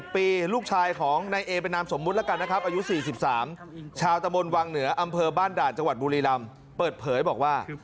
๒๐ปีลูกชายของนายเอเป็นนามสมมุตรอายุ๔๓ชาวตะบนวังเหนืออำเภอบ้านด่านจังหวัดบุรีรัมเปิดเผยบอกว่า